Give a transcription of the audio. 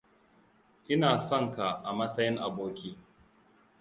Ina son ka a matsayin aboki.